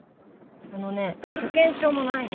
あのね保険証もないの。